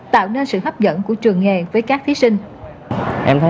tạo nên sự hấp dẫn của trường nghề với các thí sinh